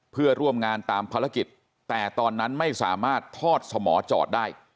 เพื่อร่วมงานตามภารกิจแต่ตอนนั้นไม่สามารถทอดสมอจอดได้